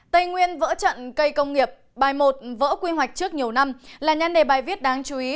tây nguyên vỡ trận cây công nghiệp bài một vỡ quy hoạch trước nhiều năm là nhân đề bài viết đáng chú ý